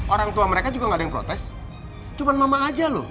orang tua mereka juga gak ada yang protes cuma mama aja loh